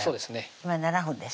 今７分です